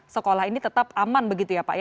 sekolah ini tetap aman begitu ya pak ya